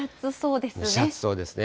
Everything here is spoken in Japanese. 蒸し暑そうですね。